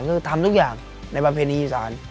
คือทำทุกอย่างในประเพณีอีสาน